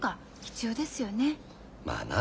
まあな。